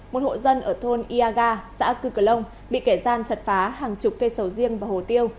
một hộ dân ở thôn iaga xã cư clou bị kẻ gian chặt phá hàng chục cây sầu riêng và hồ tiêu